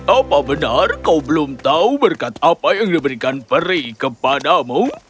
apa benar kau belum tahu berkat apa yang diberikan peri kepadamu